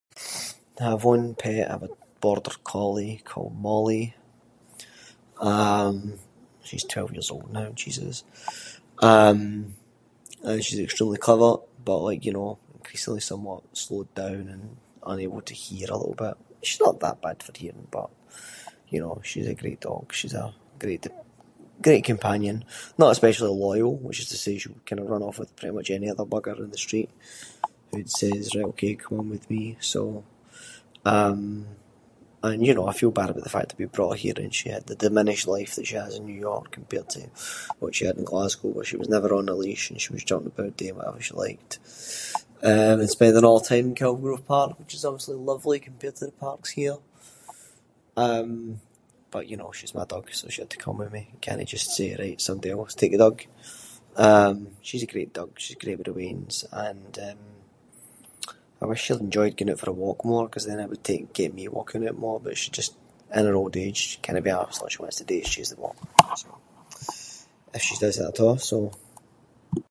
I’ve one pet, I’ve a Border Collie called Molly. Um she’s twelve years old now, Jesus. Um, aye, she’s extremely clever, but like you know, increasingly somewhat slowed down and unable to hear a little bit. She’s not that bad for hearing, but. You know she’s a great dog, a great d- great companion. Not especially loyal, which is to say that she’ll kind of run off with pretty much any other bugger in the street who says “right okay come on with me” so, um. And you know I feel bad about the fact that we brought her here and she had the diminished life that she has in New York compared to what she had in Glasgow, where she was never on the leash and she was jumping about doing whatever she liked, eh and spending a’ her time in Kelvingrove Park, which is obviously lovely compared to the parks here. Um, but you know, she’s my dug so she had to come with me. Cannae just say “right somebody else take the dug”. Um, she’s a great dug, she’s great with the weans and, eh, I wish she’d enjoyed going out for a walk more, ‘cause then that would take- get me walking more. But she’s just- in her old age cannae be arsed. Like she just wants to [inc] If she does that at a’, so.